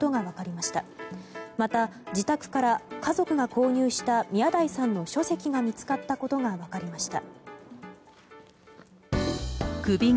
また、自宅から家族が購入した宮台さんの書籍が見つかったことが分かりました。